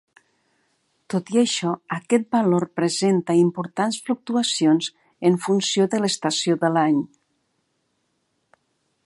Tot i això, aquest valor presenta importants fluctuacions en funció de l'estació de l'any.